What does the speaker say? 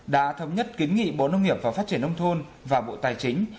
đã thống nhất kiến nghị bộ nông nghiệp và phát triển nông thôn và bộ tài chính